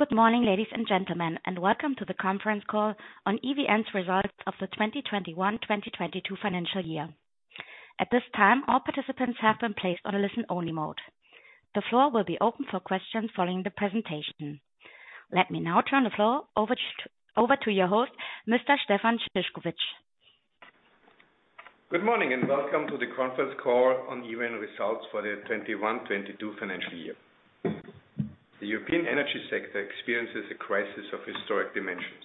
Good morning, ladies and gentlemen, and welcome to the conference call on EVN's results of the 2021/2022 financial year. At this time, all participants have been placed on a listen-only mode. The floor will be open for questions following the presentation. Let me now turn the floor over to your host, Mr. Stefan Szyszkowitz. Good morning, and welcome to the conference call on EVN results for the 2021/2022 financial year. The European energy sector experiences a crisis of historic dimensions.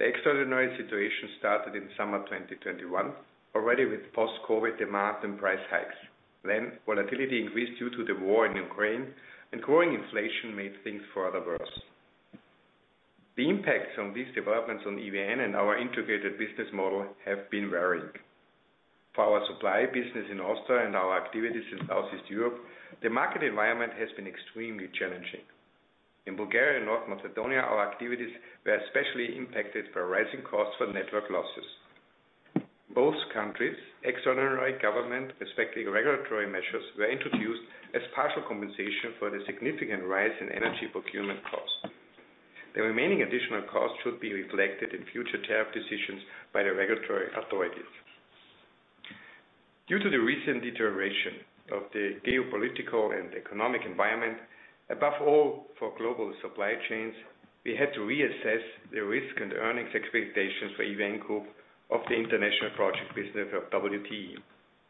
The extraordinary situation started in summer 2021, already with post-COVID demand and price hikes. Then, volatility increased due to the war in Ukraine, and growing inflation made things further worse. The impacts on these developments on EVN and our integrated business model have been varying. For our supply business in Austria and our activities in Southeast Europe, the market environment has been extremely challenging. In Bulgaria, North Macedonia, our activities were especially impacted by rising costs for network losses. Both countries, extraordinary government, respectively regulatory measures were introduced as partial compensation for the significant rise in energy procurement costs. The remaining additional costs should be reflected in future tariff decisions by the regulatory authorities. Due to the recent deterioration of the geopolitical and economic environment, above all for global supply chains, we had to reassess the risk and earnings expectations for EVN Group of the international project business of WTE.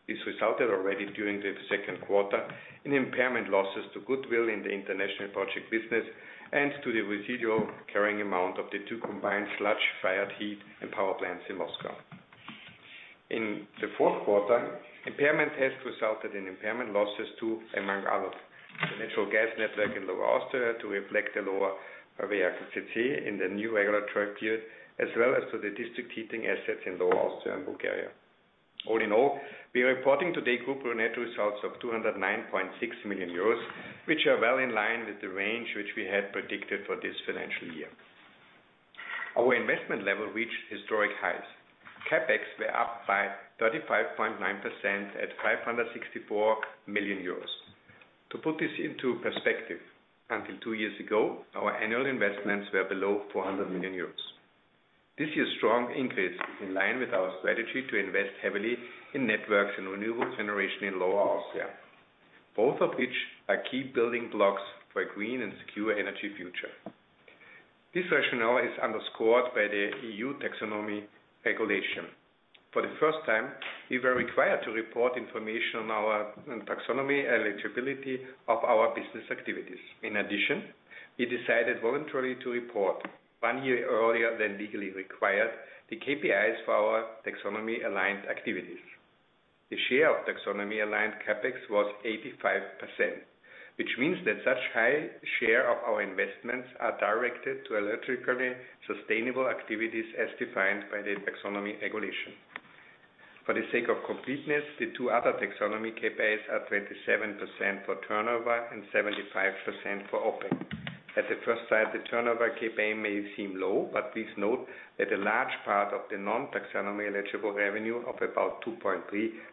This resulted already during the second quarter in impairment losses to goodwill in the international project business and to the residual carrying amount of the two combined sludge-fired heat and power plants in Moscow. In the fourth quarter, impairment has resulted in impairment losses to, among others, the natural gas network in Lower Austria to reflect the lower reactivity in the new regulatory period, as well as to the district heating assets in Lower Austria and Bulgaria. All in all, we are reporting today group net results of 209.6 million euros, which are well in line with the range which we had predicted for this financial year. Our investment level reached historic highs. CapEx were up by 35.9% at 564 million euros. To put this into perspective, until two years ago, our annual investments were below 400 million euros. This year's strong increase is in line with our strategy to invest heavily in networks and renewable generation in Lower Austria, both of which are key building blocks for a green and secure energy future. This rationale is underscored by the EU Taxonomy Regulation. For the first time, we were required to report information on our taxonomy eligibility of our business activities. In addition, we decided voluntarily to report one year earlier than legally required, the KPIs for our taxonomy-aligned activities. The share of taxonomy-aligned CapEx was 85%, which means that such high share of our investments are directed to electrically sustainable activities as defined by the Taxonomy Regulation. For the sake of completeness, the two other taxonomy KPIs are 27% for turnover and 75% for operating. At the first sight, the turnover KPI may seem low, but please note that a large part of the non-taxonomy eligible revenue of about 2.3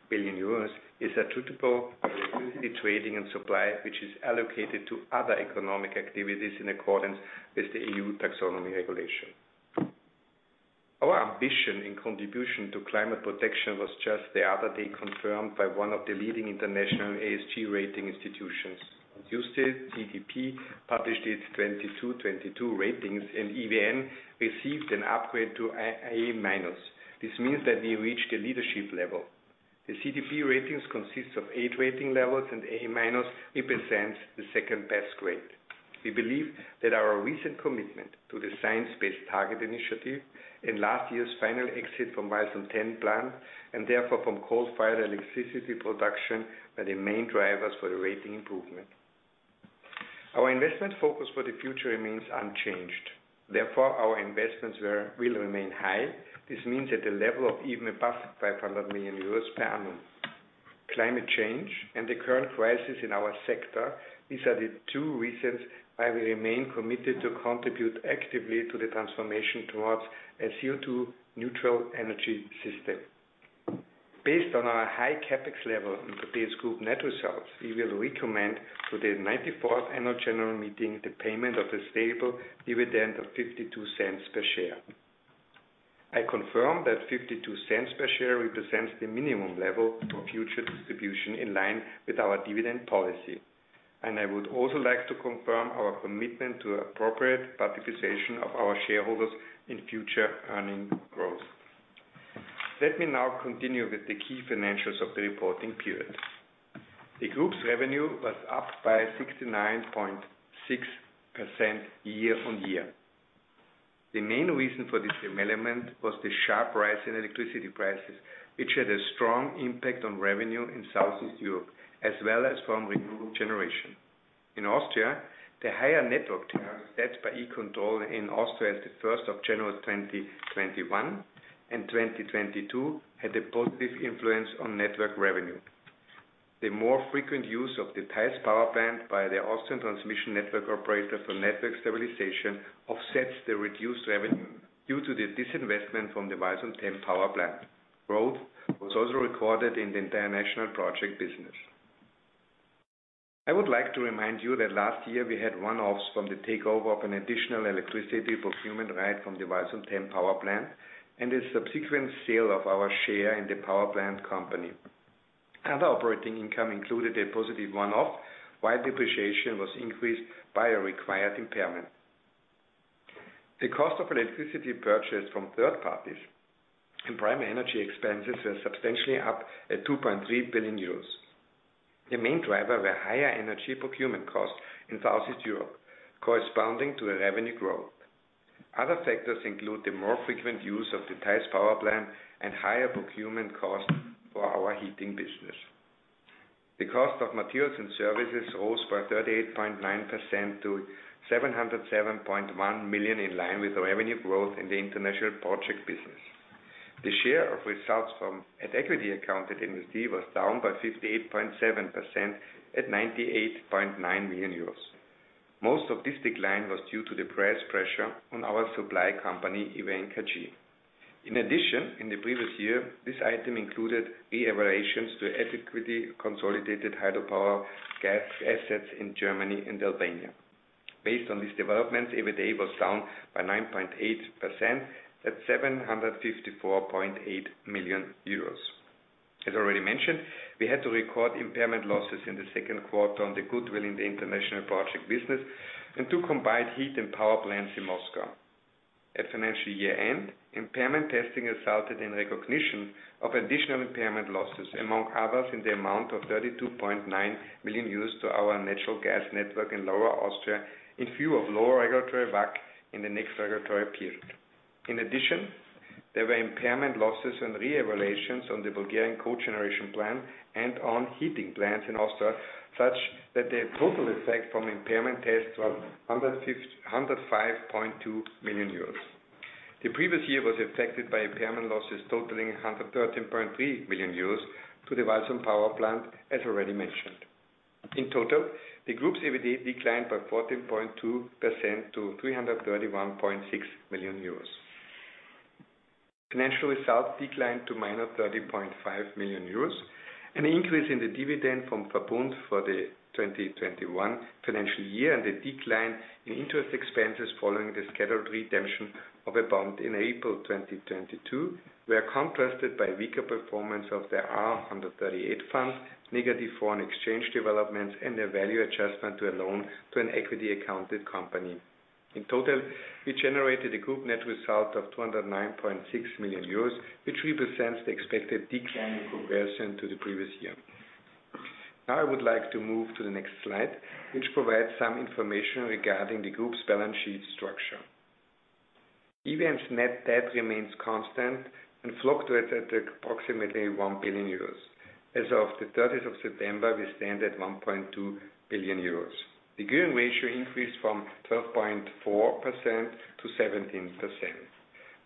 billion euros is attributable to electricity trading and supply, which is allocated to other economic activities in accordance with the EU Taxonomy Regulation. Our ambition and contribution to climate protection was just the other day confirmed by one of the leading international ESG rating institutions. Use it. CDP published its 2022 ratings, and EVN received an upgrade to A-. This means that we reached a leadership level. The CDP ratings consists of eight rating levels, and A- represents the second-best grade. We believe that our recent commitment to the Science Based Targets initiative and last year's final exit from Weißenstein plant, and therefore from coal-fired electricity production were the main drivers for the rating improvement. Our investment focus for the future remains unchanged. Therefore, our investments will remain high. This means that the level of even above 500 million euros per annum. Climate change and the current crisis in our sector, these are the two reasons why we remain committed to contribute actively to the transformation towards a CO2 neutral energy system. Based on our high CapEx level and today's group net results, we will recommend to the 94th Annual General Meeting the payment of a stable dividend of 0.52 per share. I confirm that 0.52 per share represents the minimum level to future distribution in line with our dividend policy. I would also like to confirm our commitment to appropriate participation of our shareholders in future earnings growth. Let me now continue with the key financials of the reporting period. The group's revenue was up by 69.6% year-over-year. The main reason for this development was the sharp rise in electricity prices, which had a strong impact on revenue in Southeast Europe, as well as from renewable generation. In Austria, the higher network tariff set by E-Control in Austria as the 1st of January 2021 and 2022 had a positive influence on network revenue. The more frequent use of the Theiss power plant by the Austrian transmission network operator for network stabilization offsets the reduced revenue due to the disinvestment from the Weißenstein power plant. Growth was also recorded in the international project business. I would like to remind you that last year we had one-offs from the takeover of an additional electricity procurement right from the Walsum 10 power plant and the subsequent sale of our share in the power plant company. Other operating income included a positive one-off, while depreciation was increased by a required impairment. The cost of electricity purchased from third parties and primary energy expenses were substantially up at 2.3 billion euros. The main driver were higher energy procurement costs in Southeast Europe, corresponding to a revenue growth. Other factors include the more frequent use of the Theiss power plant and higher procurement costs for our heating business. The cost of materials and services rose by 38.9% to 707.1 million, in line with the revenue growth in the international project business. The share of results from at equity accounted MSD was down by 58.7% at 98.9 million euros. Most of this decline was due to the price pressure on our supply company, EVN KG. In addition, in the previous year, this item included reevaluations to at-equity consolidated hydropower gas assets in Germany and Albania. Based on these developments, EBITDA was down by 9.8% at 754.8 million euros. As already mentioned, we had to record impairment losses in the second quarter on the goodwill in the international project business and two combined heat and power plants in Moscow. At financial year-end, impairment testing resulted in recognition of additional impairment losses, among others, in the amount of 32.9 million euros to our natural gas network in Lower Austria, in view of lower regulatory WACC in the next regulatory period. In addition, there were impairment losses and reevaluations on the Bulgarian cogeneration plant and on heating plants in Austria, such that the total effect from impairment tests was 105.2 million euros. The previous year was affected by impairment losses totaling 113.3 million euros to the Walsum power plant, as already mentioned. In total, the group's EBITDA declined by 14.2% to 331.6 million euros. Financial results declined to -30.5 million euros. An increase in the dividend from VERBUND for the 2021 financial year and a decline in interest expenses following the scheduled redemption of VERBUND in April 2022 were contrasted by weaker performance of the R138 funds, negative foreign exchange developments, and a value adjustment to a loan to an equity accounted company. In total, we generated a group net result of 209.6 million euros, which represents the expected decline in comparison to the previous year. I would like to move to the next slide, which provides some information regarding the group's balance sheet structure. EVN's net debt remains constant and fluctuated at approximately 1 billion euros. As of the 30th of September, we stand at 1.2 billion euros. The gearing ratio increased from 12.4% to 17%.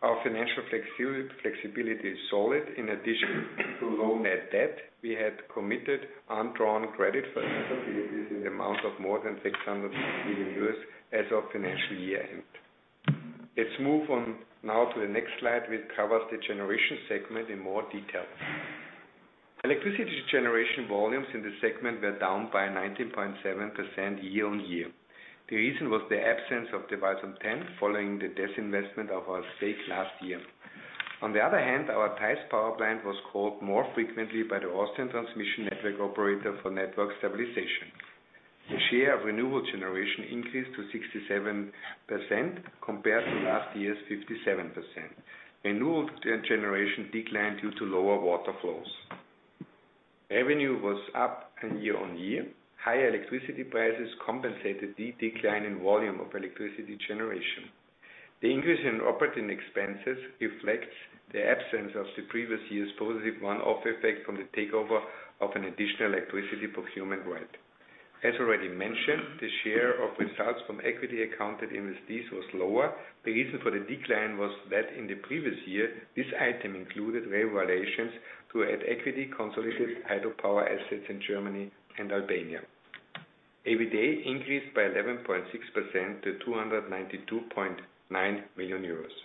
Our financial flexibility is solid. In addition to low net debt, we had committed undrawn credit facilities in the amount of more than 600 million as of financial year-end. Let's move on now to the next slide, which covers the generation segment in more detail. Electricity generation volumes in the segment were down by 19.7% year-on-year. The reason was the absence of the Walsum 10 following the disinvestment of our stake last year. On the other hand, our Theiss power plant was called more frequently by the Austrian transmission network operator for network stabilization. The share of renewable generation increased to 67% compared to last year's 57%. Renewable generation declined due to lower water flows. Revenue was up in year-on-year. Higher electricity prices compensated the decline in volume of electricity generation. The increase in operating expenses reflects the absence of the previous year's positive one-off effect from the takeover of an additional electricity procurement right. As already mentioned, the share of results from equity accounted investees was lower. The reason for the decline was that in the previous year, this item included reevaluations to at-equity consolidated hydropower assets in Germany and Albania. EBITDA increased by 11.6% to 292.9 million euros.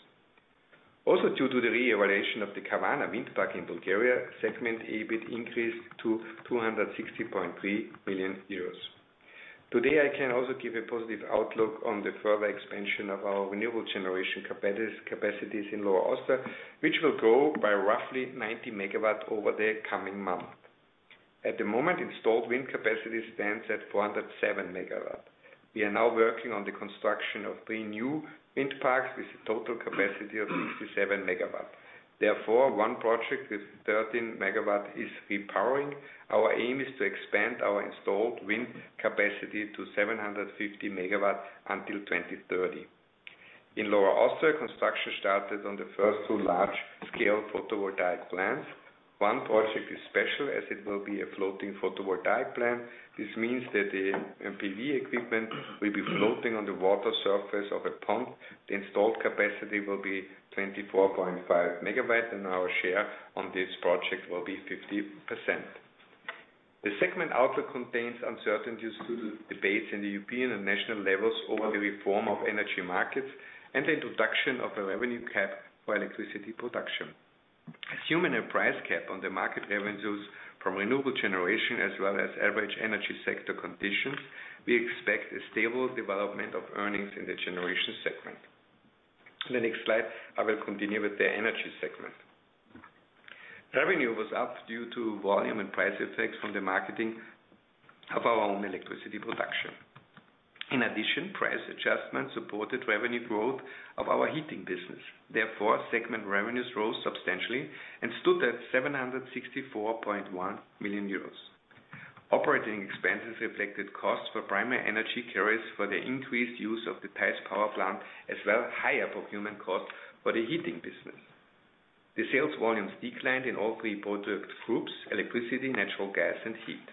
Due to the reevaluation of the Kavarna wind park in Bulgaria, segment EBIT increased to 260.3 million euros. Today, I can also give a positive outlook on the further expansion of our renewable generation capacities in Lower Austria, which will grow by roughly 90 MW over the coming months. At the moment, installed wind capacity stands at 407 MW. We are now working on the construction of three new wind parks with a total capacity of 67 MW. One project with 13 MW is repowering. Our aim is to expand our installed wind capacity to 750 MW until 2030. In Lower Austria, construction started on the first two large-scale photovoltaic plants. One project is special as it will be a floating photovoltaic plant. This means that the FPV equipment will be floating on the water surface of a pond. The installed capacity will be 24.5 MW, and our share on this project will be 50%. The segment outlook contains uncertainties due to debates in the European and national levels over the reform of energy markets and the introduction of a revenue cap for electricity production. Assuming a price cap on the market revenues from renewable generation as well as average energy sector conditions, we expect a stable development of earnings in the generation segment. The next slide, I will continue with the energy segment. Revenue was up due to volume and price effects from the marketing of our own electricity production. In addition, price adjustments supported revenue growth of our heating business. Therefore, segment revenues rose substantially and stood at 764.1 million euros. Operating expenses reflected costs for primary energy carriers for the increased use of the Theiss power plant, as well higher procurement costs for the heating business. The sales volumes declined in all three product groups, electricity, natural gas, and heat.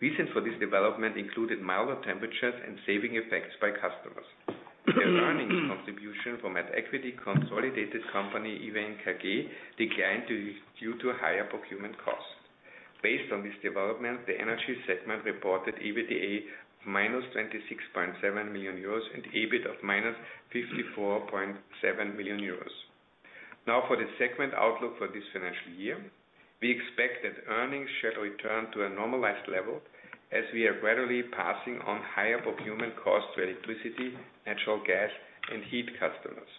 Reasons for this development included milder temperatures and saving effects by customers. The earnings contribution from at equity consolidated company, EVN KG, declined due to higher procurement costs. Based on this development, the energy segment reported EBITDA of -26.7 million euros and EBIT of -54.7 million euros. For the segment outlook for this financial year, we expect that earnings shall return to a normalized level as we are gradually passing on higher procurement costs to electricity, natural gas, and heat customers.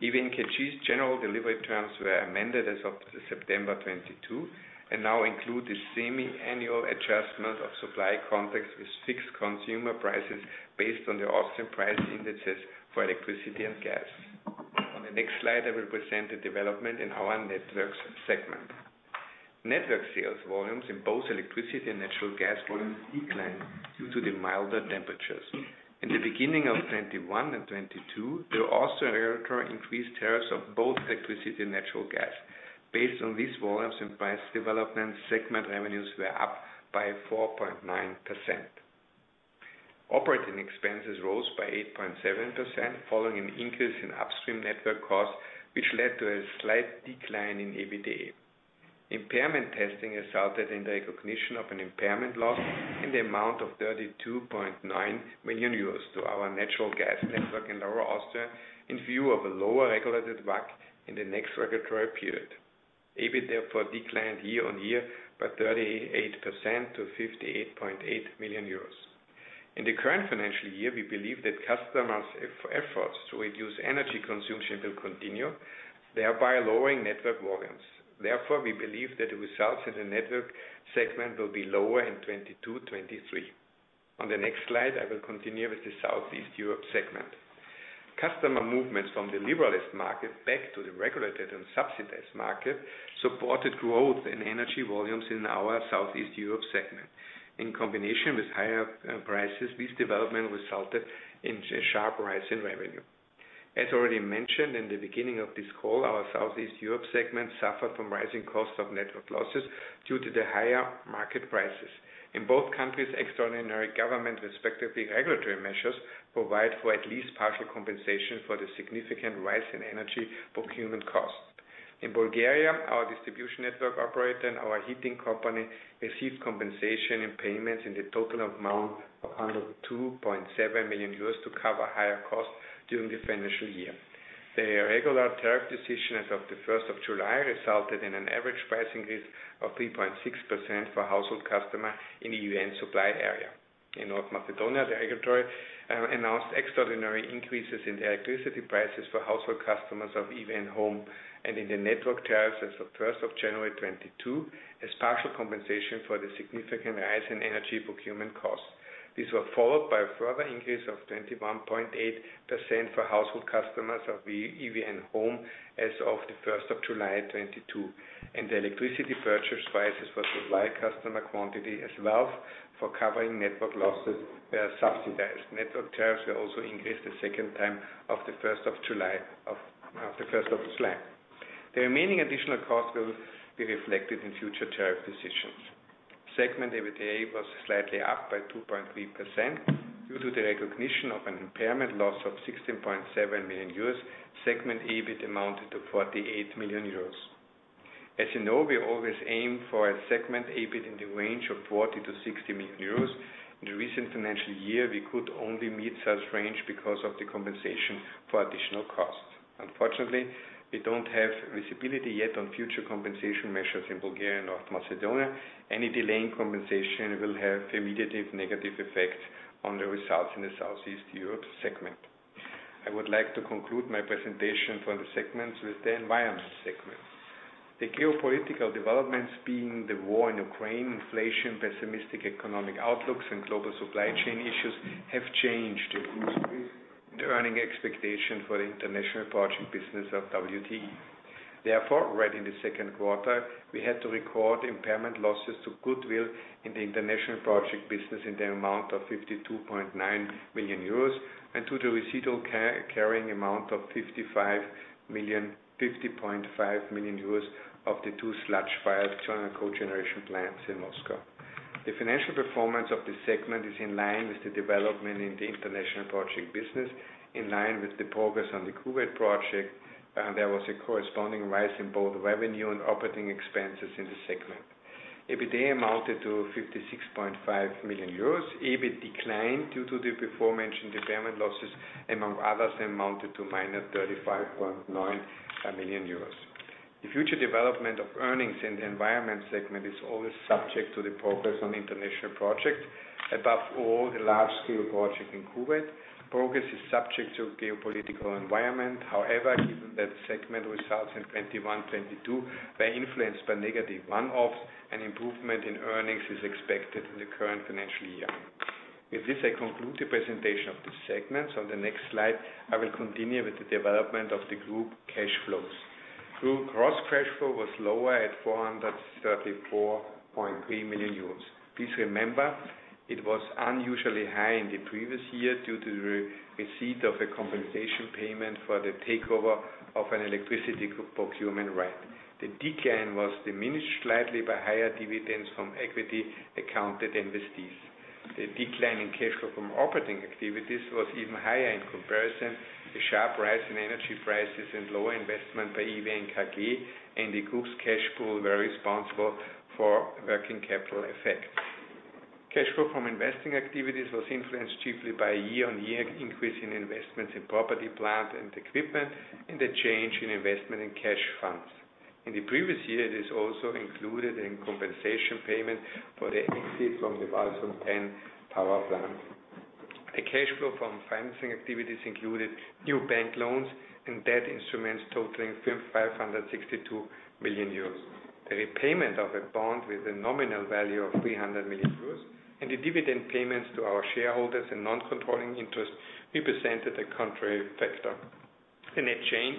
EVN KG's general delivery terms were amended as of September 2022, and now include the semi-annual adjustment of supply contracts with fixed consumer prices based on the Austrian price indexes for electricity and gas. On the next slide, I will present the development in our networks segment. Network sales volumes in both electricity and natural gas volumes declined due to the milder temperatures. In the beginning of 2021 and 2022, there were also regulatory increased tariffs of both electricity and natural gas. Based on these volumes and price developments, segment revenues were up by 4.9%. Operating expenses rose by 8.7%, following an increase in upstream network costs, which led to a slight decline in EBITDA. Impairment testing resulted in the recognition of an impairment loss in the amount of 32.9 million euros to our natural gas network in Lower Austria, in view of a lower regulated WACC in the next regulatory period. EBIT, therefore, declined year-on-year by 38% to 58.8 million euros. In the current financial year, we believe that customers' efforts to reduce energy consumption will continue, thereby lowering network volumes. We believe that the results in the network segment will be lower in 2022, 2023. On the next slide, I will continue with the Southeast Europe segment. Customer movements from the liberalized market back to the regulated and subsidized market supported growth in energy volumes in our Southeast Europe segment. In combination with higher prices, this development resulted in a sharp rise in revenue. As already mentioned in the beginning of this call, our Southeast Europe segment suffered from rising costs of network losses due to the higher market prices. In both countries, extraordinary government, respectively regulatory measures, provide for at least partial compensation for the significant rise in energy procurement costs. In Bulgaria, our distribution network operator and our heating company received compensation and payments in the total amount of 102.7 million euros to cover higher costs during the financial year. The regular tariff decision as of the 1st of July, resulted in an average price increase of 3.6% for household customer in the EVN supply area. In North Macedonia, the regulatory announced extraordinary increases in the electricity prices for household customers of EVN Home and in the network tariffs as of 1st of January 2022, as partial compensation for the significant rise in energy procurement costs. These were followed by a further increase of 21.8% for household customers of EVN Home as of the 1st of July 2022. The electricity purchase prices for supply customer quantity as well for covering network losses were subsidized. Network tariffs were also increased a second time of the 1st of July. The remaining additional costs will be reflected in future tariff decisions. Segment EBITDA was slightly up by 2.3%. Due to the recognition of an impairment loss of 16.7 million euros, segment EBIT amounted to 48 million euros. As you know, we always aim for a segment EBIT in the range of 40 million-60 million euros. In the recent financial year, we could only meet such range because of the compensation for additional costs. Unfortunately, we don't have visibility yet on future compensation measures in Bulgaria, North Macedonia. Any delay in compensation will have immediate and negative effects on the results in the Southeast Europe segment. I would like to conclude my presentation for the segments with the environment segment. The geopolitical developments being the war in Ukraine, inflation, pessimistic economic outlooks, and global supply chain issues have changed the industry, the earning expectation for the international project business of WTE. Right in the second quarter, we had to record impairment losses to goodwill in the international project business in the amount of 52.9 million euros, and to the residual carrying amount of 50.5 million euros of the two sludge-fired thermal cogeneration plants in Moscow. The financial performance of this segment is in line with the development in the international project business. In line with the progress on the Kuwait project, there was a corresponding rise in both revenue and operating expenses in the segment. EBITDA amounted to 56.5 million euros. EBIT declined due to the before mentioned impairment losses, among others, and amounted to -35.9 million euros. The future development of earnings in the environment segment is always subject to the progress on international projects. Above all, the large-scale project in Kuwait progress is subject to geopolitical environment. Given that segment results in 2021, 2022 were influenced by negative one-offs, an improvement in earnings is expected in the current financial year. With this, I conclude the presentation of the segments. On the next slide, I will continue with the development of the group cash flows. Group gross cash flow was lower at 434.3 million euros. Please remember it was unusually high in the previous year due to the receipt of a compensation payment for the takeover of an electricity procurement right. The decline was diminished slightly by higher dividends from equity accounted investees. The decline in cash flow from operating activities was even higher in comparison. The sharp rise in energy prices and lower investment by EVN KG and the group's cash pool were responsible for working capital effect. Cash flow from investing activities was influenced chiefly by year-on-year increase in investments in property, plant, and equipment, and the change in investment in cash funds. In the previous year, it is also included in compensation payment for the exit from the Walsum 10 power plant. The cash flow from financing activities included new bank loans and debt instruments totaling 562 million euros. The repayment of a bond with a nominal value of 300 million euros and the dividend payments to our shareholders and non-controlling interest represented a contrary factor. The net change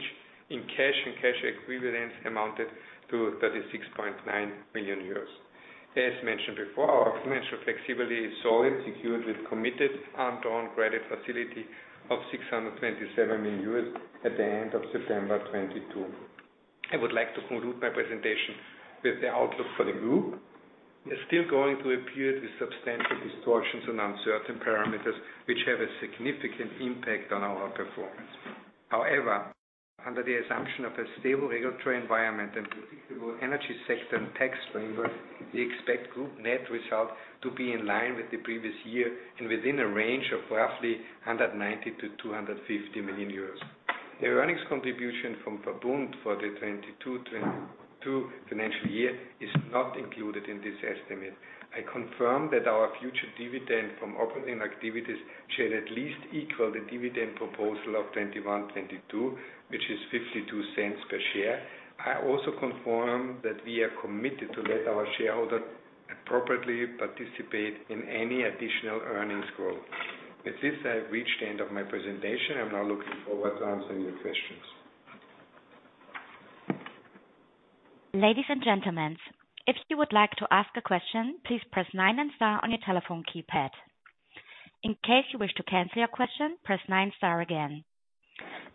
in cash and cash equivalents amounted to 36.9 million euros. As mentioned before, our financial flexibility is solid, secured with committed and drawn credit facility of 627 million at the end of September 2022. I would like to conclude my presentation with the outlook for the group. We are still going through a period with substantial distortions and uncertain parameters which have a significant impact on our performance. Under the assumption of a stable regulatory environment and predictable energy sector and tax framework, we expect group net result to be in line with the previous year and within a range of roughly 190 million-250 million euros. The earnings contribution from VERBUND for the 2022 financial year is not included in this estimate. I confirm that our future dividend from operating activities shall at least equal the dividend proposal of 2021, 2022, which is 0.52 per share. I also confirm that we are committed to let our shareholders appropriately participate in any additional earnings growth. With this, I have reached the end of my presentation. I'm now looking forward to answering your questions. Ladies and gentlemen, if you would like to ask a question, please press nine and star on your telephone keypad. In case you wish to cancel your question, press nine star again.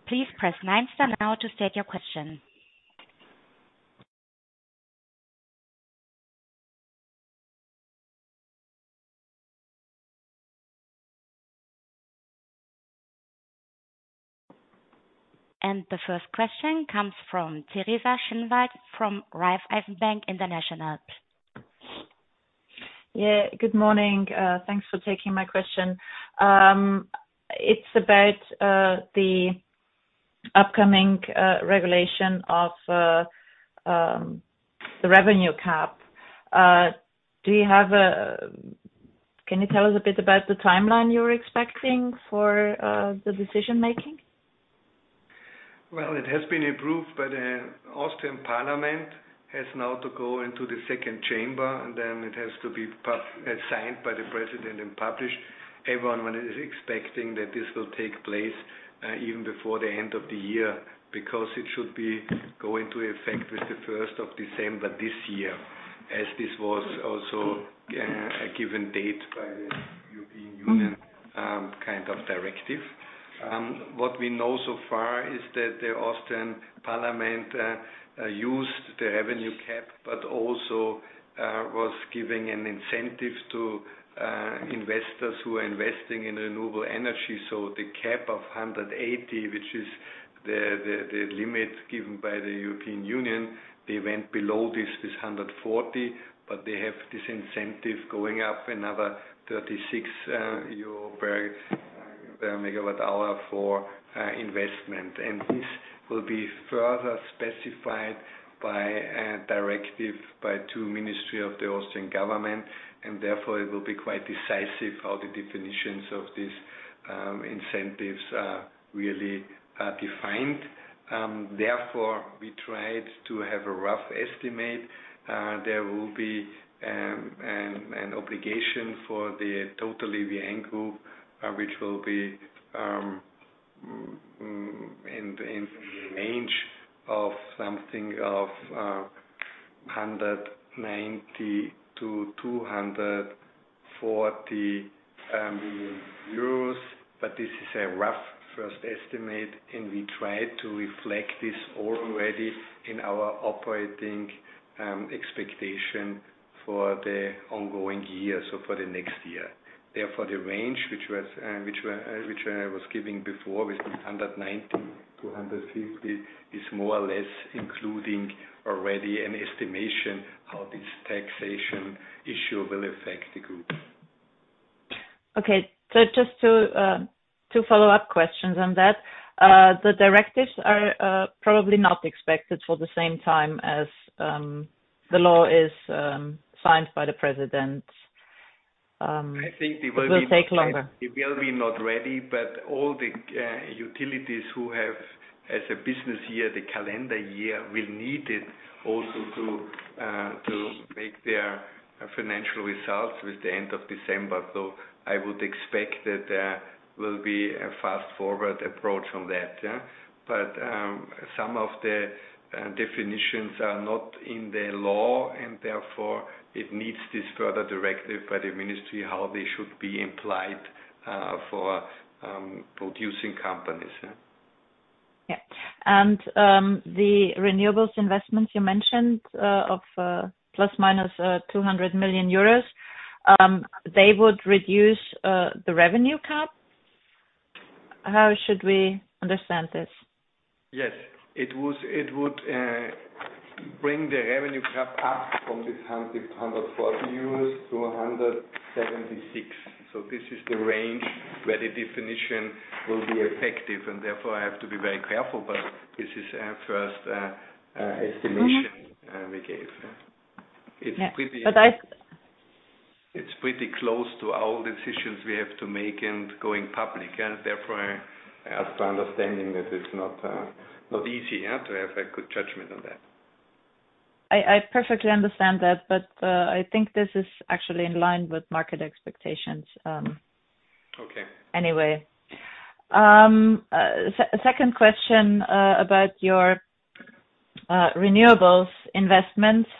Please press nine star now to state your question. The first question comes from Teresa Schinwald from Raiffeisen Bank International. Yeah, good morning. Thanks for taking my question. It's about the upcoming regulation of the revenue cap. Can you tell us a bit about the timeline you're expecting for the decision-making? Well, it has been approved by the Austrian Parliament, has now to go into the second chamber, and then it has to be signed by the president and published. Everyone is expecting that this will take place even before the end of the year, because it should be go into effect with the 1st of December this year, as this was also a given date by the European Union kind of directive. What we know so far is that the Austrian Parliament used the revenue cap, but also was giving an incentive to investors who are investing in renewable energy. The cap of 180, which is the limit given by the European Union, they went below this 140, but they have this incentive going up another 36 euro/MWh for investment. This will be further specified by a directive by two ministries of the Austrian government, and therefore it will be quite decisive how the definitions of these incentives are really defined. Therefore, we tried to have a rough estimate. There will be an obligation for the totally the angle, which will be in range of something of 190 million-240 million euros. This is a rough first estimate, and we try to reflect this already in our operating expectation for the ongoing year, so for the next year. Therefore, the range which was, which I was giving before between 190 million-150 million is more or less including already an estimation how this taxation issue will affect the group. Okay. Just two follow-up questions on that. The directives are probably not expected for the same time as the law is signed by the president. I think they will be. It will take longer. They will be not ready, but all the utilities who have as a business year, the calendar year, will need it also to make their financial results with the end of December. I would expect that there will be a fast-forward approach on that, yeah. Some of the definitions are not in the law, and therefore it needs this further directive by the ministry, how they should be implied for producing companies, yeah. Yeah. The renewables investments you mentioned, of ±200 million euros, they would reduce the revenue cap? How should we understand this? Yes. It would bring the revenue cap up from this 140 euros to 176. This is the range where the definition will be effective, and therefore, I have to be very careful. This is our first estimation we gave. It's pretty. Yeah. It's pretty close to all decisions we have to make and going public, and therefore I have to understanding that it's not not easy, yeah, to have a good judgment on that. I perfectly understand that. I think this is actually in line with market expectations. Okay. Anyway. Second question about your renewables investments,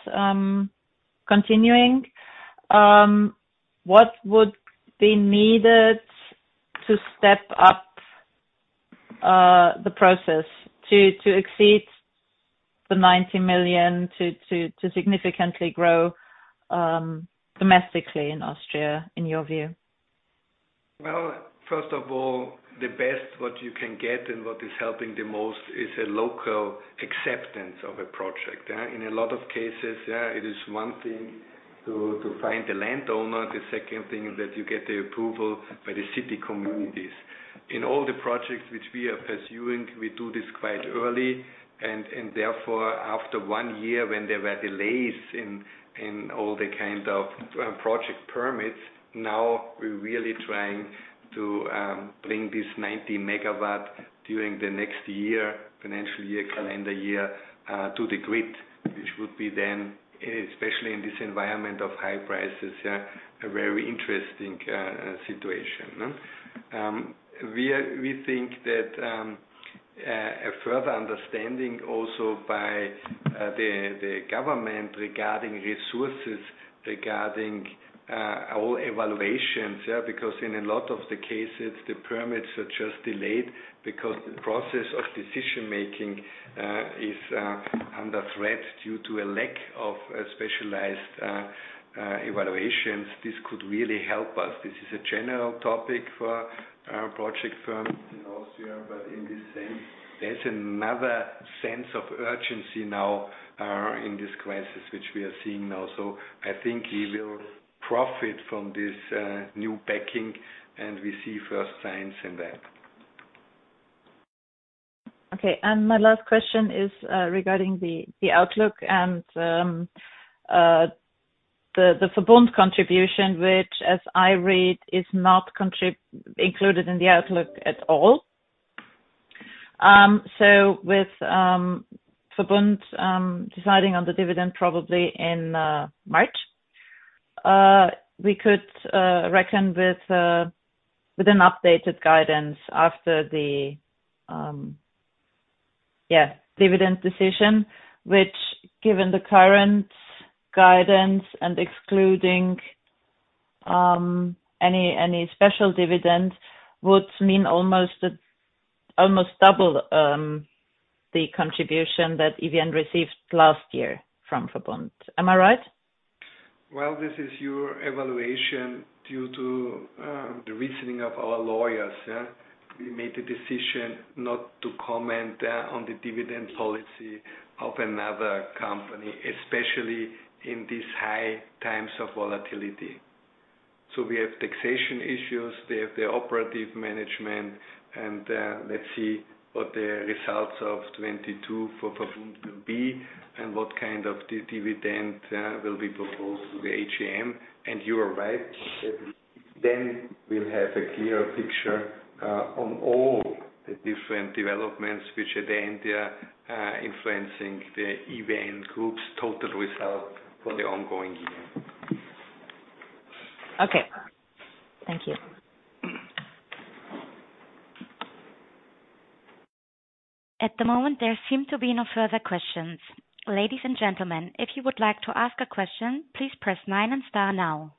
continuing, what would be needed to step up the process to exceed the 90 million to significantly grow domestically in Austria, in your view? Well, first of all, the best what you can get and what is helping the most is a local acceptance of a project, yeah. In a lot of cases, yeah, it is one thing to find the landowner. The second thing is that you get the approval by the city communities. In all the projects which we are pursuing, we do this quite early and therefore, after one year when there were delays in all the kind of project permits, now we're really trying to bring this 90 MW during the next year, financial year, calendar year to the grid, which would be then, especially in this environment of high prices, yeah, a very interesting situation, huh? We think that a further understanding also by the government regarding resources, regarding all evaluations, yeah, because in a lot of the cases, the permits are just delayed because the process of decision-making is under threat due to a lack of specialized evaluations. This could really help us. This is a general topic for our project firms in Austria, but in this sense, there's another sense of urgency now in this crisis, which we are seeing now. I think we will profit from this new backing, and we see first signs in that. Okay. My last question is, regarding the outlook and, the VERBUND contribution, which as I read, is not included in the outlook at all. With VERBUND deciding on the dividend probably in March, we could reckon with an updated guidance after the, yeah, dividend decision, which given the current guidance and excluding any special dividends, would mean almost double the contribution that EVN received last year from VERBUND. Am I right? Well, this is your evaluation due to the reasoning of our lawyers, yeah. We made a decision not to comment on the dividend policy of another company, especially in these high times of volatility. We have taxation issues, they have their operative management and let's see what the results of 2022 for VERBUND will be and what kind of dividend will be proposed to the AGM. You are right. We'll have a clearer picture on all the different developments which at the end are influencing the EVN Group's total result for the ongoing year. Okay. Thank you. At the moment, there seem to be no further questions. Ladies and gentlemen, if you would like to ask a question, please press star now.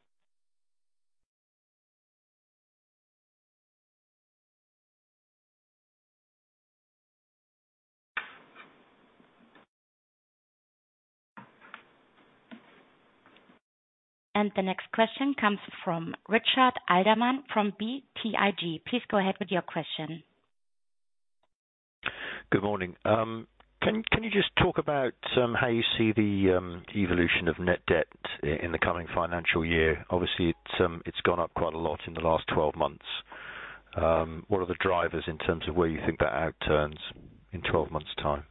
The next question comes from Richard Alderman from BTIG. Please go ahead with your question. Good morning. Can you just talk about, how you see the evolution of net debt in the coming financial year? Obviously it's gone up quite a lot in the last 12 months. What are the drivers in terms of where you think that out turns in 12 months time?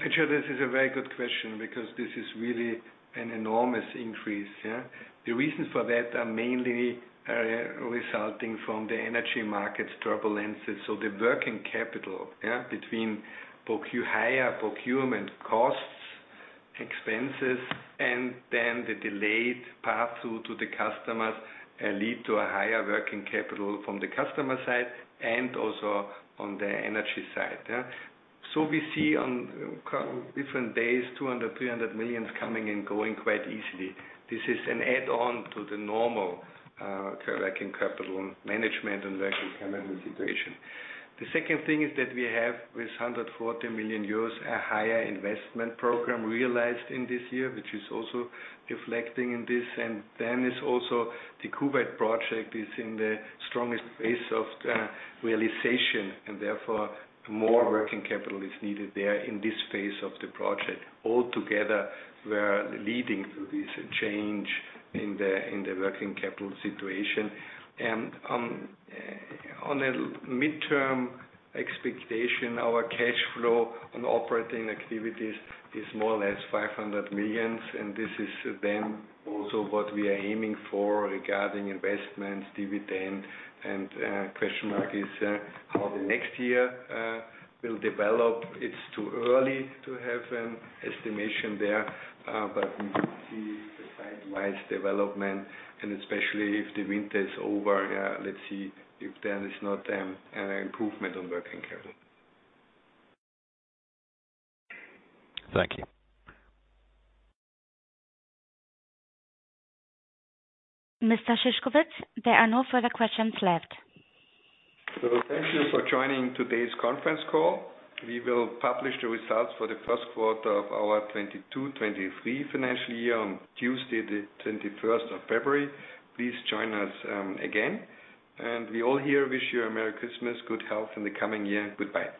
Richard, this is a very good question because this is really an enormous increase, yeah. The reasons for that are mainly resulting from the energy markets' turbulences. The working capital, yeah, between higher procurement costs, expenses, and then the delayed path through to the customers lead to a higher working capital from the customer side and also on the energy side, yeah. We see on different days, 200 million, 300 million coming and going quite easily. This is an add on to the normal working capital management and working capital situation. The second thing is that we have, with 140 million euros, a higher investment program realized in this year, which is also reflecting in this. Is also the Kuwait project is in the strongest phase of realization, and therefore more working capital is needed there in this phase of the project. All together were leading to this change in the working capital situation. On a midterm expectation, our cash flow on operating activities is more or less 500 million, and this is then also what we are aiming for regarding investments, dividend. Question mark is how the next year will develop. It's too early to have an estimation there, but we will see the sidewise development and especially if the winter is over. Let's see if there is not an improvement on working capital. Thank you. Mr. Szyszkowitz, there are no further questions left. Thank you for joining today's conference call. We will publish the results for the first quarter of our 2022/2023 financial year on Tuesday, the 21st of February. Please join us again. We all here wish you a merry Christmas, good health in the coming year. Goodbye.